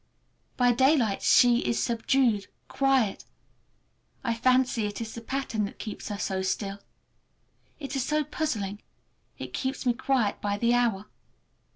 By daylight she is subdued, quiet. I fancy it is the pattern that keeps her so still. It is so puzzling. It keeps me quiet by the hour.